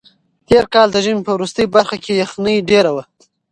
تېر کال د ژمي په وروستۍ برخه کې یخنۍ ډېره وه.